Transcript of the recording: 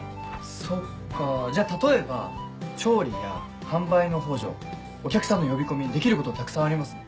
そっかじゃあ例えば調理や販売の補助お客さんの呼び込みできることたくさんありますね。